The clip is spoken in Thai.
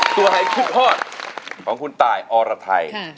ตัวให้คิดโทษของคุณตายอรไทย